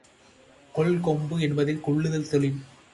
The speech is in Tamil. கொள்கொம்பு என்பதில் கொள்ளுதல் தொழில்